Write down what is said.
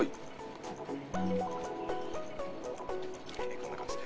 こんな感じで。